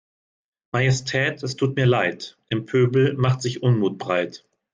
Majestät es tut mir Leid, im Pöbel macht sich Unmut breit.